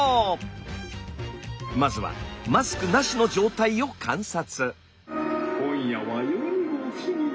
まずはマスクなしの状態を観察。